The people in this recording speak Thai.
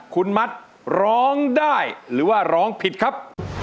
คุณมัดร้องได้หรือว่าร้องผิดครับ